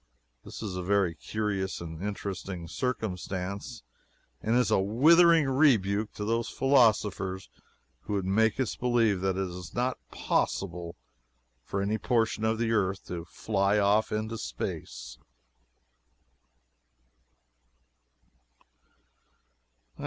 This is a very curious and interesting circumstance, and is a withering rebuke to those philosophers who would make us believe that it is not possible for any portion of the earth to fly off into space.